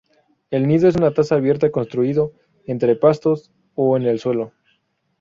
El nido es una taza abierta construido entre pastos o en el suelo.